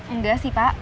enggak sih pak